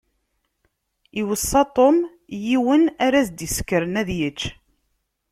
Iweṣṣa Tom yiwen ara s-d-isekren ad yečč.